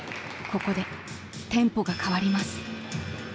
ここでテンポが変わります。